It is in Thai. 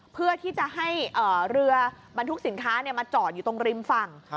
เพื่อที่จะให้เรือบรรทุกสินค้ามาจอดอยู่ตรงริมฝั่ง